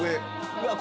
うわっ。